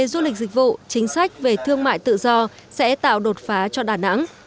đã tạo đột phá cho đà nẵng